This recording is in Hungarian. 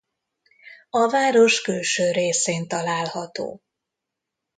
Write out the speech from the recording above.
A város külső részén található.